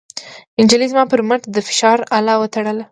نجلۍ زما پر مټ د فشار اله وتړله.